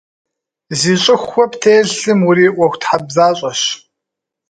Зи щIыхуэ птелъым уриIуэхутхьэбзащIэщ.